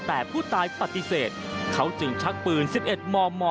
แต่ผู้ตายปฏิเสธเขาจึงชักปืน๑๑มม